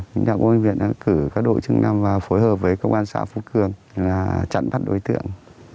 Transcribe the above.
lãnh đạo công an viện đã cử các đội trưng năm và phối hợp với công an xã phúc cương là chặn bắt đối tượng